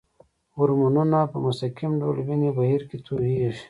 هورمونونه په مستقیم ډول وینې بهیر کې تویېږي.